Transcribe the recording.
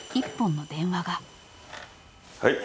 ☎はい。